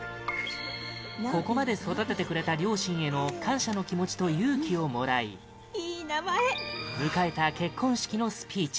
ここまで育ててくれた両親への感謝の気持ちと勇気をもらい迎えた結婚式のスピーチ